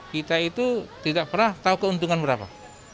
kita itu tidak pernah tahu keuntungan berapa